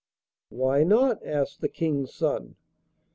'Why not?' asked the King's son.